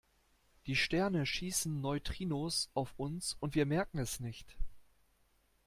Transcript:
Die Sterne schießen Neutrinos auf uns und wir merken es nicht.